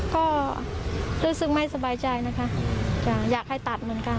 ก็รู้สึกไม่สบายใจนะคะอยากให้ตัดเหมือนกัน